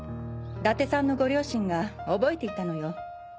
伊達さんのご両親が覚えていたのよ。